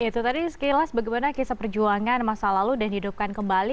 itu tadi sekilas bagaimana kisah perjuangan masa lalu dan dihidupkan kembali